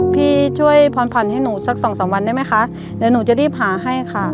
พี่ช่วยผ่อนให้หนูสักสองสามวันได้ไหมคะเดี๋ยวหนูจะรีบหาให้ค่ะ